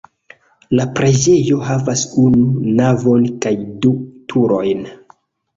La preĝejo havas unu navon kaj du turojn.